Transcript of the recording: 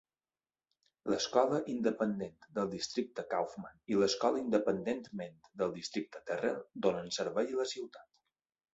L'Escola Independent del Districte Kaufman i l'Escola Independentment del Districte Terrell donen servei a la ciutat.